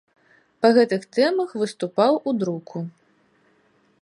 Па гэтых тэмах выступаў у друку.